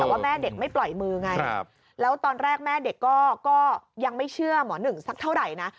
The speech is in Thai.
แต่ว่าแม่เด็กไม่ปล่อยมือไงแล้วตอนแรกแม่เด็กก็ยังไม่เชื่อหมอหนึ่งสักเท่าไหร่นะ